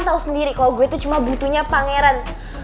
lo tau sendiri kalau gue tuh cuma butuhnya pangeran